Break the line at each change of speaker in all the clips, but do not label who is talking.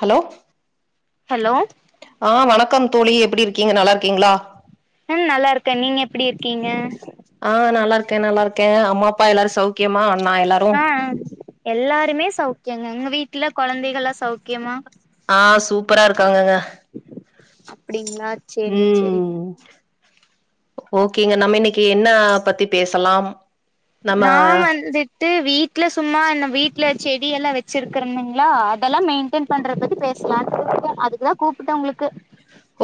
Hello
hello
ஆ வணக்கம் தோழி எப்படி இருக்கீங்க நல்லா இருக்கீங்களா
ம் நல்லா இருக்கே நீங்க எப்படி இருக்கீங்க
ஆ நல்லாருக்கே நல்லாருக்கே அம்மா அப்பா எல்லாரும் சவ்க்கியமா அண்ணா எல்லாரும்
அ எல்லாருமே சவ்க்கியந்தா உங்க வீட்ல கொழந்தைகள்லா சவ்க்கியமா
ஆ சூப்பரா இருக்காங்கங்க
அப்டிங்ளா
ம் ஓகேங்க நம்ம இன்னைக்கு என்ன பத்தி பேசலாம் நம்ம
நா வந்துட் ட்டு வீட்ல சும்மா இந்த வீட்ல செடி எல்லா வச்சிருக்கறந்தங்ளா அதெல்லா மெயின்டெயன் பண்ற பத்தி பேசலாம் அதுக்குதா கூப்ட்ட உங்ளுக்கு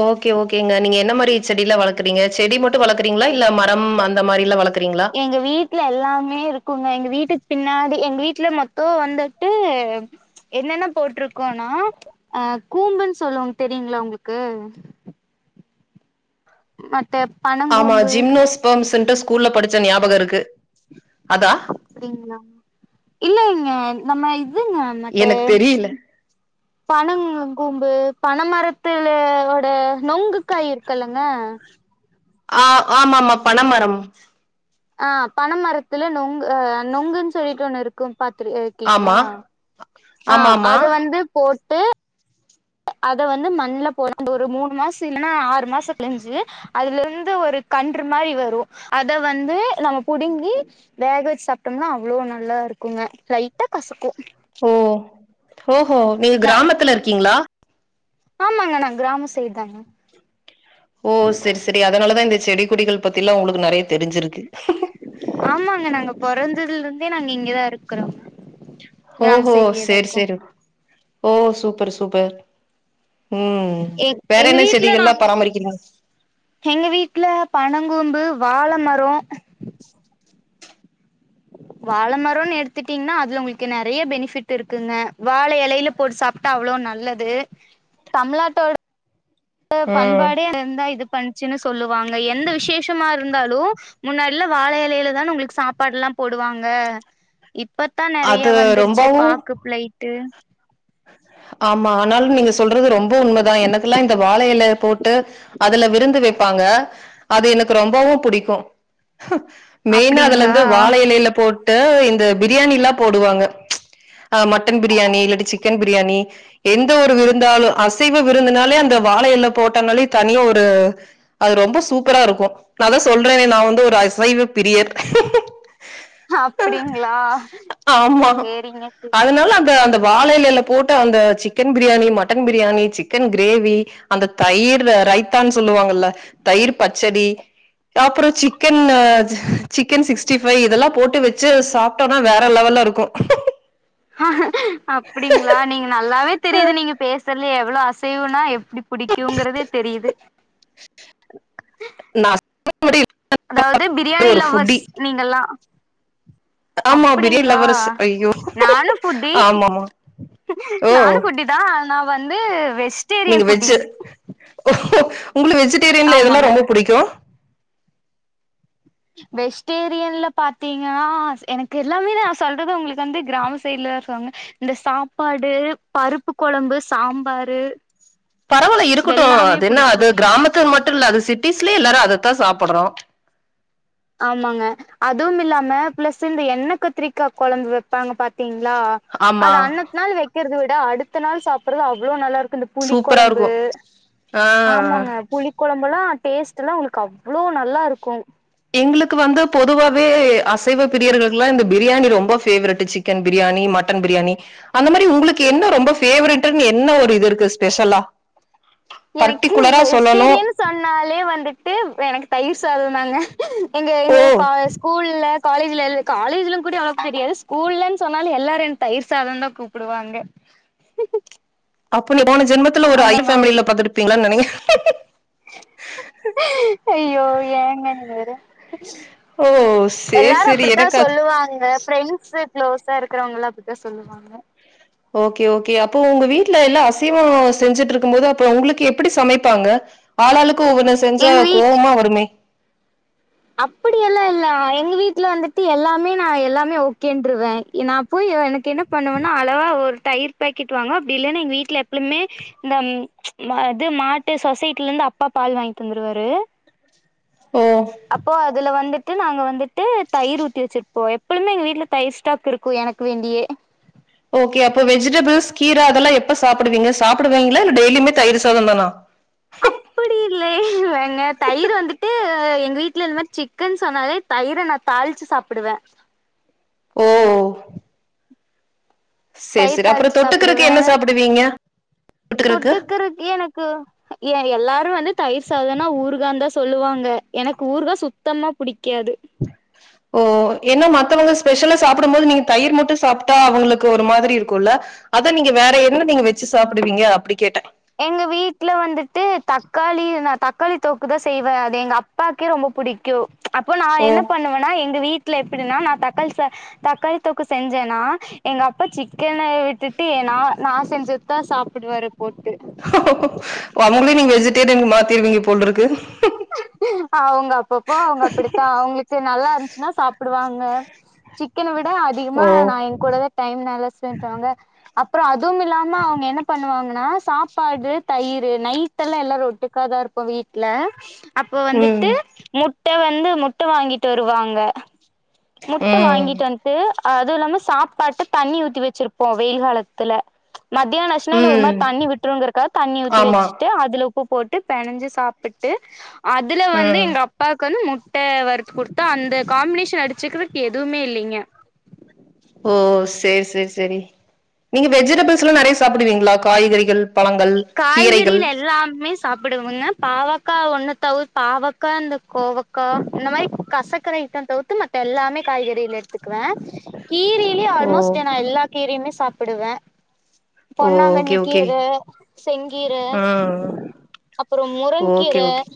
ஓகே ஓகேங்க நீங்க என்ன மாரி செடில்லா வளக்குறீங்க செடி மட்டும் வளக்குறீங்ளா இல்ல மரம் அந்த மாரில்லா வளக்குறீங்ளா
எங்க வீட்ல எல்லாமே இருக்குங்க எங்க வீட்டுக் பின்னாடி எங்க வீட்ல மொத்தோ வந்துட்டு என்னென்ன போட்ருக்கோனா அ கூம்புன் சொல்லுவாங்க தெரியுங்ளா உங்ளுக்கு மத்த பன
ஆமா ஜிம்னோஸ்பம்ஸ்ன்ட்டு ஸ்கூல்ல படிச்ச ஞாபக இருக்கு அதா
அப்டிங்ளா இல்லங்க நம்ம இதுங்க மத்த
எனக்கு தெரியல
பனங் கூம்பு பனமரத்துலோட நொங்குக்காய் இருக்குல்லங்க
ஆ ஆமாமா பன மரம்
ஆ பன மரத்துல நுங்கு அ நொங்குன் சொல்லிட்டு ஒண்ணு இருக்கும் பாத்து
ஆமா
ஆ
ஆமா ஆமா
அது வந்து போட்டு அத வந்து மண்ல போற போது மூணு மாஸ் இல்லன்னா ஆறு மாசோ கழிஞ்சு அதுலருந்து ஒரு கன்று மாரி வரும் அத வந்து நம்ம புடுங்கி வேக வெச் சாப்ட்டோம்னா அவ்ளோ நல்லா இருக்குங்க லைட்டா கசக்கும்
ஓ ஓஓ நீங்க
ந
கிராமத்துல இருக்கீங்ளா
ஆமாங்க நா கிராமோ சைட் தாங்க
ஓ செரி செரி அதனாலதா இந்த செடி கொடிகள் பத்திலா உனக்கு நெறைய தெரிஞ்சிருக்கு
ஆமாங்க நாங்க பொறந்ததுலந்தே நாங்க இங்கதா இருக்குறோ
ஓ ஓ செரி செரி ஓ சூப்பரு சூப்பர் ம்
எ
வேற
எங்க
என்ன
வீட்ல
செடிகள்லா
நாங்க
பராமரிக்கிறிங்க
எங்க வீட்ல பனங்கூம்பு வாழ மரோம் வாழ மரோன் எடுத்துட்டீங்ன்னா அதுல உங்ளுக்கு நெறைய பெனிஃபிட் இருக்குங்க வாழ எலையில போட்டு சாப் ட்டா அவ்ளோ நல்லது தமிழ்நாட்டோட
ம்
பண்பாடே இருந்தா இது பண்ச்சுன்னு சொல்லுவாங்க எந்த விசேஷமா இருந்தாலு முன்னாடில்ல வாழ எலையிலதான உங்ளுக் சாப்பாடுல்லா போடுவாங்க இப்பத்தா நெறைய
அது
வந்துருச்சு
ரொம்பவு
பாக்கு பிளைட்டு
ஆமா ஆனாலும் நீங்க சொல்றது ரொம்ப உண்மதா எனக்குல்லா இந்த வாழ எல போட்டு அதுல விருந்து வெப்பாங்க அது எனக்கு ரொம்பவே பிடிக்கும் மெயின்னா
அப்டிங்களா
அதுலந்து வாழ எலையில போட் ட்டு இந்த பிரியாணில்லா போடுவாங்க அ மட்டன் பிரியாணி இல்லாட்டி சிக்கன் பிரியாணி எந்த ஒரு விருந்தாலு அசைவ விருந்துனாலே அந்த வாழ எல போட்டனாலே தனி ஒரு அது ரொம்ப சூப்பரா இருக்கும் நா தா சொல்றனே நா வந்து ஒரு அசைவ பிரியர்
அப்டிங்களா
ஆமா
சேரிங்க சேரி
அதனால அந்த அந்த வாழ எலைல் போட்ட அந்த chicken biryani mutton biryani chicken gravy அந்த தயிரு ரைத்தான் சொல்லுவாங்கல்ல தயிரு பச்சடி அப்றோ சிக்கன் சிக்கன் சிக்ஸ்டி ஃபை இதெல்லா போட்டு வச்சு சாப் டோன்னா வேற லெவல்லருக்கு
அப்படிங்களா நீங்க நல்லாவே தெரியுது நீங்க பேசுற்த்லே எவ்ளோ ஆச செய்வனா எப்புடி பிடிக்குங்கறதே தெரியுது
நா
அதாவ்து ப்ரியாணி
ஒரு ஃபுட்டி
லவ்வர்ஸ் நீங்கல்லா
ஆமா பிரியாணி
அப்டிங்களா
லவ்வர்ஸ் ஐயோ
நானு ஃபுட்டி
ஆமாமா ஓ
நானு ஃபுட்டிதா நா வந்து வெஷ்
நீங்க வெஜ்ஜு உங்களுக்கு வெஜிடேரியன்ல எதெல்லா
ஆமாங்க
ரொம்ப புடிக்கு
வெஜ்டேரியன்ல பாத்தீங்கன்னா எனக்கு எல்லாமே நா சொல்றது உங்களுக்கு வந்து கிராம சைடுல இருக்றவங்க இந்த சாப்பாடு பருப்பு கொழம்பு சாம்பாரு
பரவால்ல
இது
இருக்கட்டு
எல்லாமே
அது என்ன
புடிக்கு
அது கிராமத்து மட்டும் இல்ல அது சிட்டிஸ்லயே எல்லாரு அதத்தா சாப்ட்றோ
ஆமாங்க அதுவுமில்லாம ப்ளஸ் இந்த எண்ணெ கத்திரிக்கா கொழம்பு வெப்பாங்க பாத் த்தீங்களா
ஆமா
அது அன்னத்து நாள் வெக்கிறத விட அடுத்த நாள் சாப்ட்றது அவ்ளோ நல்லாருக்கு
சூப்பரா
புளிக்கொழம்பு
இருக்கு ஆ
ஆமாங்க புளி கொழம்பெல்லா டேஸ்ட் எல்லா உங்களுக்கு அவ்ளோ நல்லாருக்கு
எங்களுக்கு வந்து பொதுவாவே அசைவ பிரியர்களுகெல்லா இந்த ப்ரியாணி ரொம்ப ஃபேவரெட்டு ச் சிக்கன் ப்ரியாணி மட்டன் ப்ரியாணி அந்த மாரி உங்களுக்கு என்ன ரொம்ப பேவரட்டுன்னு என்ன ஒரு இது இருக்கு ஸ்பெஷலா
எனக்கு
பர்ட்டிகுலரா சொல்லணு
வெஜிடேரியன் சொன்னாலே வந்துட்டு எனக்கு தயிர் சாதோந்தாங்க எங்க எங்க
ஓ
இ கால்ஸ் ஸ்கூல்ல காலேஜ்ல எல் காலேஜ்லு கூட அவ்வளோக்கு தெரியாது ஸ்கூல்லன்னு சொன்னாலே எல்லாரு என்ன தயிர்சாதோன்னு தா கூப் புடுவாங்க
அப்ப நீ போன ஜென்மத்துல ஒரு ஐர் ஃபேமிலில பொறந்திருப்பீங்களோனு நெனகிறே
அய்யோ ஏங்க நீங்க வேற
ஓ சேரி
எல்லாரு
சேரி
அப்டித்தா
எனக்கு அது
சொல்லுவாங்க ஃப்ரெண்ஸு க்ளோஸா இருக்குறவங்கல்லா அப்டித்தா சொல்லுவாங்க
ஓகே ஓகே அப்போ உங்க வீட்டுல எல்லா அசைவோ செஞ்சுட்டு இருக்கும் போது அப்ப உங்களுக்கு எப்டி சமைப்பாங்க ஆளாளுக்கு ஒவ்வொன்னு செஞ்சா
எங்க
கோவமா வருமே
அப்டி எல்லா இல்ல எங்க வீட்டுல வந்துட்டு எல்லாமே நா எல்லாமே ஓகேனுட்ருவே நா போய் எனக்கு என்ன பண்ணுவேன்னா அளவா ஒரு தயிர் பாக்கெட் வாங்குவே அப்டி இல்லன்னா எங்க வீட்ல எப்பலுமே இந்த ம் இது மாட்டு சொசைட்டில இருந்து அப்பா பால் வாங்கி தந்துருவாரு
ஓ
அப்போ அதுல வந்துட்டு நாங்க வந்துட்டு தயிர் ஊத்தி வச்சுர்ப்போ எப்பழுமே எங்க வீட்டுல தயிர் ஸ்டாக் இருக் கு எனக்கு வேண்டியே
ஓகே அப்போ வெஜிடபிள்ஸ் கீர அதெல்லா எப்ப சாப்டுவீங்க சாப்டுவீங்களா? இல்ல டெய்லியுமே தயிர் சாதோம் தானா
அப்டி இல்லயே ஏங்க தயிர் வந்துட்டு எங்க வீட்டுல இந்த மாதிரி சிக்கன் சொன்னாலே தயிர நானு தாளிச்சு சாப்டுவே
ஓ சரி,
தயிர்
சரி. அப்புறம்
தாள்ச்சு
தொட்டுக்கறக்கு
சாப்டுவே
என்ன சாப்பிடுவீங்க? தொட்டுக்கறக்கு?
தொட்டுக்குறக்கு எனக்கு ஏ எல்லாரு வந்து தயிர் சாதோன்னா ஊறுகாந்தா சொல்லுவாங்க எனக்கு ஊறுகா சுத்தமா புடிக்காது
ஓ ஏன்னா மத்தவங்க ஸ்பெஷலா சாப்பிடும் போது நீங்க தயிர் மட்டு சாப்ட்டா அவுங்களுக்கு ஒரு மாதிரி இருக்கும்ல்ல அத நீங்க வேற என்ன நீங்க வெச்சு சாப்டுவீங்க அப்டி கேட்டே
எங்க வீட்டுல வந்துட்டு தக்காளி நான் தக்காளி தொக்குதா செய்வே அது எங்க அப்பாக்கே ரொம்ப புடிக்கு அப்போ நா என்ன
ஓ!
பண்ணுவேன்னா எங்க வீட் ல எப்டின்னா நா தக்காளி சா தக்காளி தொக்கு செஞ்சேன்னா எங்க அப்பா சிக் கெனை விட்டுட்டு நான் நான் செஞ்சு தான் சாப்பிடுவரு போட்டு
அவங்களே நீங்க வெஜிடேரியன் மாத்திருவீங்க போல் இருக்கு
அவுங்க அப்பப்போ அவுங்க அப்டித்தா அவுங்களுக்கு நல்லாருந்துச்சுன்னா சாப்டுவாங்க சிக்கன விட அதிகமா
ஓ
நா எங் கூடவே டைம் நல்ல ஸ்பெண்ட் பாங்க அப்றோ அதுமில்லாம அவுங்க என்ன பண்ணுவாங்கன்னா சாப்பாடு தயிரு நை மட்டல்லா எல்லாரு ரொட்டுக்காதாருப்போ வீட்ல அப்போ
ம்
வந்துட்டு முட்ட வந்து முட்ட வாங்கிட்டு வருவாங்க முட்ட
ம்
வாங்கிட்டு வந்துட்டு அதுல்லாம சாப்பாட்டு தண்ணி ஊத்தி வெச்சிருப்போ வெயில் காலத்துல மத்தியான சுமலு ஒரு மாரி
ம்
தண்ணி விட்டுங்ரக்காக தண்ணி ஊத்தி
ஆமா
வெச்சுட்டு அதுல உப்பு போட்டு பெனஞ்சு சாப்பிட்டு அதுல வந்து
ம்
எங்க அப்பாக்கு வந்து முட்டவறுத்து குடுத்தா அந்த காம்பினேஷன் அடிச்சக்கிறதுக்கு எதுவுமே இல்லிங்க
ஓ சேரி செரி செரி நீங்க வெஜிடபிள்ஸ்ல்லா நெறைய சாப்பிடுவீங்ளா காய்கறிகள் பழங்கள் கீரைகள்
காய்கறில எல்லாமே ஸ் சாப்புடுங்க பாவக்கா ஒன்ன தவு பாவக்கா இந்த கோவக்கா இந்த மாரி கசக்கர ஐட்ட தவுர் து மத்த எல்லாமே காய்கறில எடுத்துக்குவே கீரி கீர
ஓ
ஆல்மோஸ்ட் நா எல்லா கீரயுமே சாப்டுவே
ஓ ஓகே
பொன்னாங்கண்ணி
ஓகே
கீர செங்கீர
ம்
அப்றோ முரங்கீர
ஓகே ஓகே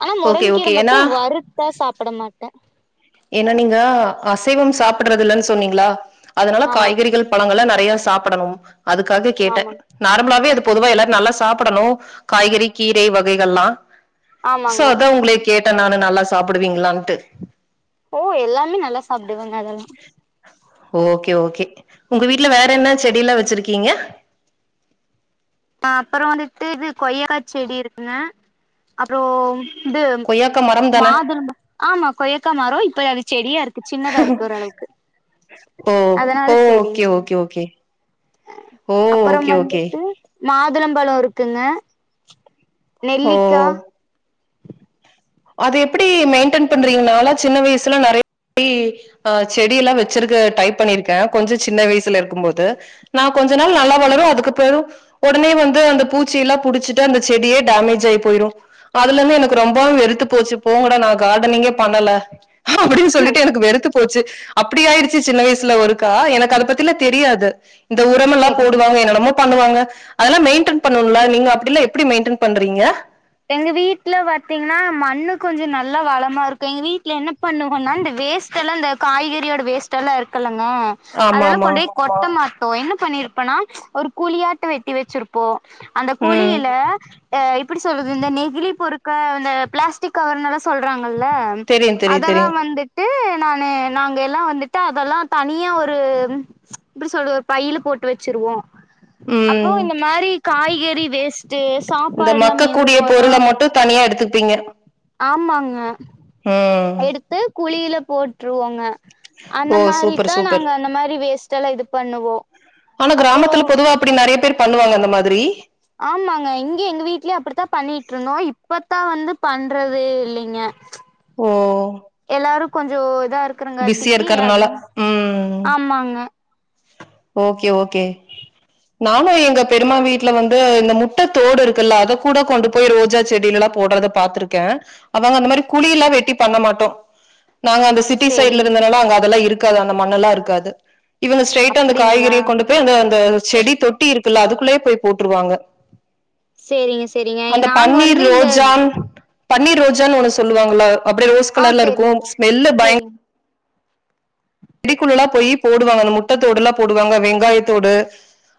ஆனா
ஓகே
முரங்கீர
ஓகே
மட்டு
ஏன்னா
வறுத்தா சாப்பிட மாட்டே
ஏனா நீங்க அசைவம் சாப்படுறதில்லன்னு சொன்னீங்களா அதனால
ஆமாங்
காய்கறிகள் பழங்கள்லா நெறைய சாப்படணு அதுக்காக கேட்டே
ஆமாங்
நார்மலாவே அது பொதுவா எல்லாரு நல்லா சாப்படணு காய்கறி கீரை வகைகள்லா சோ
ஆமாங்க
அதா ஒங்களே கேட்டே நானு நல்லா சாப்புடுவீங்களான்ட்டு
ஓ எல்லாமே நல்லா சாப்டுவங்க அதெல்லா
ஓகே ஓகே ஒங்க வீட்ல வேற என்ன செடில்லா வெச்சிருக்கீங்க
பாப்பறம் வந்துட்டு இது கொய்யக்கா செடி இருக்குங்க அப்றோ இது
கொய்யாக்கா மரம் தானே
மாதுளப ஆமா கொயக்காமரோ இப்ப அது செடியாருக்கு சின்னதாருக்கு ஓரளவுக்கு
ஓ
அதனால
ஓ ஓகே
செடின்னு சொன்னே
ஓகே ஓகே ஓ
அப்புறம்
ஓகே ஓகே
வந்துட்டு மாதுளம்பழோ இருக்குங்க நெல்லிக்கா
அதெப்டி மெயின்டென் பண்றீங்க நாலா சின்ன வயசுல நெறய பேய் ஆ செடியலா வெச்சிருக்க டரை பண்ணிர்க்கே கொஞ்சோ சின்ன வயசுல இருக்கும் போது நா கொஞ்ச நாள் நல்லா வளரு அதுக்கப்பறோ ஒடனே வந்து அந்த பூச்சில்லா புடிச்சிட்டு அந்த செடியே டேமேஜாயி போயிரு அதுலர்ந்து எனக்கு ரொம்பவு வெறுத்துப் போச்சு போங்கடா நா கார்டனிங்கே பண்ணல அப்டின்னு சொல்லிட்டு எனக்கு வெறுத்துப் போ போச்சு அப்டியாடிச்சு சின்ன வயசுல ஒருக்கா எனக்கு அத பத்திலா தெரியாது இந்த உரமெல்லா
சரிங்க
போடுவாங்க என்னனமோ பண்ணுவாங்க அதெல்லா மெயின்டென் பண்ணுல நீங்க அப்டிலா எப்டி மெயின்டென் பண்றீங்க
எங்க வீட்ல பாத்தீங்கன்னா மண்ணு கொஞ்ச நல்லா வளமாருக்கு எங்க வீட்ல என்னப் பண்ணுவன்னா இந்த வேஸ்ட்ல்லா இந்த காய்கறியோட வேஸ்ட்ல்லா இருக்கல்லங்க அதெல்லா
ஆமாமா.
கொண்டோய் கொட்ட மாட்டோ என்ன பண்ணிருப்போனா ஒரு குழியாட்ட வெட்டி வெச்சிருப்போ அந்த
ம்.
குழியில அ இப்டிஸ் சொல்லுது இந்த நெகிழி பொருக்க இந்த பிளாஸ்டிக் கவர்னாலா சொல்றாங்கல்ல
தெரியு தெரியு
அதெல்லா
தெரியு
வந்துட் டு நானு நாங்கெல்லா வந்துட்டு அதெல்லா தனியா ஒரு எப்டி சொல்லு பைல்ல போட்டு வச்சிருவோ அப்போ
ம்
இந்த மாரி காய்கறி வேஸ்ட்டு சாப்பா
இந்த மக்கக்கூடிய பொருள மட்டு தனியா எடுத்துப்பீங்க
ஆமாங்க
ம்
து குளியில போட்ருவாங்க அந்த
ஓ
மாரி
சூப்பர்
தா
சூப்பர்
நாங்க அந்த மாரி வேஸ்டெல்லா இது பண்ணுவோ
ஆனா
அப்புறோ
கிராமத்துல பொதுவா அப்படி நிறைய பேர் பண்ணுவாங்க அந்த மாதிரி
ஆமாங்க இங்கியு எங்க வீட்லியு அப்படித்தா பண்ணிட் இருந்தோ இப்பத்தா வந்து பண்றது இல்லைங்க
ஓ
எல்லாரு கொஞ்சோ இதா
பிஸியா
இருக்குறங்காட்டிக்கி
இருக்கறனால ம்
ஆமாங்க
ஓகே ஓகே நானு எங்க பெரிமா வீட்டுல வந்து இந்த முட்ட தோடு இருக்குல்ல அத கூட கொண்டு போய் ரோஜா செடியில எல்லா போடுறத பாத்திருக்கே அவங்க அந்த மாரி குழியல்லா வெட்டி பண்ண மாட்டோ நாங்க அந்த சிட்டி சைட்ல
சேரிங்க
இருந்தனால அங்க அதெல்லா இருக்காது அந்த மண்ண எல்லா இருக்காது இவங்க ஸ்ட்ரைட்டா அந்த
அப்படிங்களா
காய்கறிய கொண்டு போய் அங்க அந்த செடி தொட்டி இருக்குல்ல அதுக்குள்ளயே போய் போட்டுருவாங்க
சேரிங்க சேரிங்க
அந்த
நாங்க
பன்னீர்
வந்து இந்த
ரோஜான் பன்னீர் ரோஜான்னு ஒன்னு சொல்லுவாங்கள அப்படியே ரோஸ்
ஆ
கலர்ல இருக்கு
தெரியுங்க
ஸ்மெல்லு பயங்
தெரியுங்
செடிக்குள்ளல்லா போயி போடுவாங்க அந்த முட்டத்தோடு எல்லா போடுவாங்க வெங்காயத்தோடு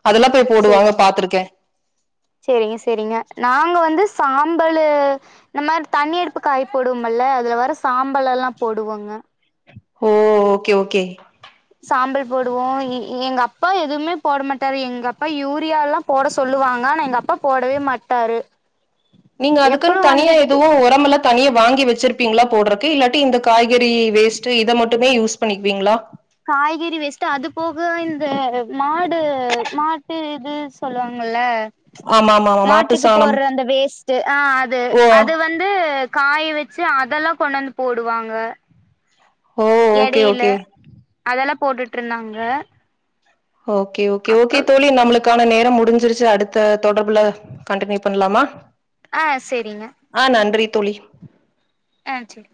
அதெல்லா போய் போடுவாங்க பாத்துருக்கே
செரிங்க செரிங்க நாங்க வந்து சாம்பலு இந்த மார் தண்ணி அடுப்பு காய் போடுவோம்மல்ல அதுல வர சாம்பல எல்லா போடுவோங்க
ஓ ஓகே ஓகே
சாம்பல் போடுவோ இ எங்க அப்பா எதுவுமே போட மாட்டாரு எங்க அப்பா யூரியால்லா போட சொல்லுவாங்க ஆனா எங்க அப்பா போடவே மாட்டாரு
நீங்க அதுக்குன்
எப்பளு
தனியா
வந்துட்டு
எதுவு உரமல தனியா வாங்கி வச்சிருப்பீங்களா போடுறக்கு இல்லாட்டி இந்த காய்கறி வேஸ்ட்டு இத மட்டுமே யூஸ் பண்ணிக்குவீங்களா
காய்கறி வேஸ்ட்டு அது போக இந்த மாடு மாட்டு இது சொல்லுவாங்கல
ஆமா ஆமா ஆமா மாட்டு
மாட்டுக்கு
சாணம்
போற்ற அந்த வேஸ்ட் ஆ அது
ஓ
அது வந் து காய வெச்சு அதெல்லா கொண்டாந்து போடுவாங்க
ஓ ஓகே
எடையில
ஓகே
அதெல்லா போட்டுட் இருந்தாங்க
ஓகே ஓகே ஓகே
அப்றோ
தோழி நம்மளுக் க்கான நேரம் முடிஞ்சிருச்சு அடுத்த தொடர்புல கண்டினியூ பண்ணலாமா
ஆ சேரிங்க
ஆ நன்றி தோழி
ஆ செரி